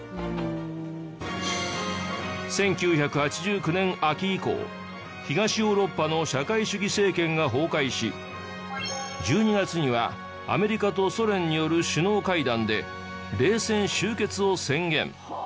１９８９年秋以降東ヨーロッパの社会主義政権が崩壊し１２月にはアメリカとソ連による首脳会談で冷戦終結を宣言。